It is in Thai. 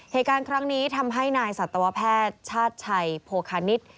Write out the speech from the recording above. เหตุการณ์ครั้งนี้ทำให้นายสัตวแพทย์ชาติชัยโภคานิต